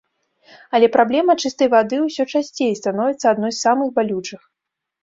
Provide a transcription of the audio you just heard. Але праблема чыстай вады ўсё часцей становіцца адной з самых балючых.